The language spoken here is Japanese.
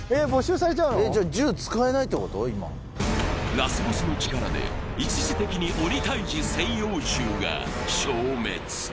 ラスボスの力で一時的に鬼タイジ専用銃が消滅。